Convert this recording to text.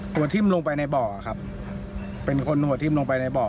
หัวทิ้มลงไปในบ่อครับเป็นคนหัวทิ้มลงไปในบ่อ